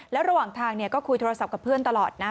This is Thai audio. แล้วระหว่างทางก็คุยโทรศัพท์กับเพื่อนตลอดนะ